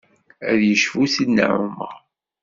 Ad yecbu Sidna Ɛumer.